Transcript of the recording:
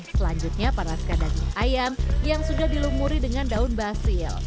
selanjutnya panaskan daging ayam yang sudah dilumuri dengan daun basil